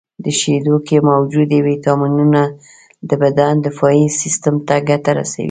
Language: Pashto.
• د شیدو کې موجودې ویټامینونه د بدن دفاعي سیستم ته ګټه رسوي.